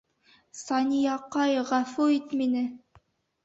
Санияҡай, ғәфү ит мине!